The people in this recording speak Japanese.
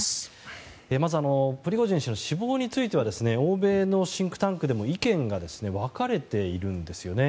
まずプリゴジン氏の死亡については欧米のシンクタンクでも意見が分かれているんですよね。